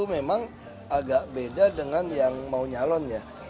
memang agak beda dengan yang mau nyalonnya